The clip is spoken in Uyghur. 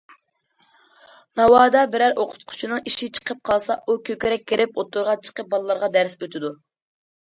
ناۋادا بىرەر ئوقۇتقۇچىنىڭ ئىشى چىقىپ قالسا، ئۇ كۆكرەك كېرىپ ئوتتۇرىغا چىقىپ بالىلارغا دەرس ئۆتىدۇ.